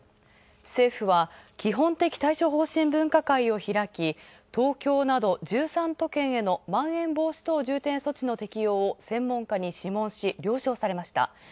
政府は基本的対処方針分科会を開き、東京など１３都県のまん延防止等重点措置の適用を専門家に諮問し了承された。